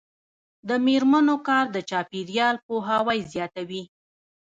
د میرمنو کار د چاپیریال پوهاوی زیاتوي.